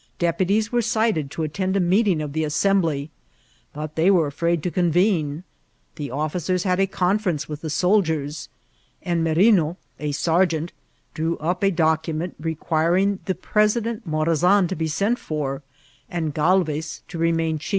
Deputies were dted to attend a meeting of the Assembly, but they were afraid to con* vene. The officers had a conference with the soldiers ; and Merino, a sergeant, drew up a docmnent reqinring the President Mcurasan to be sent for, and Galvei to CITIL WAR.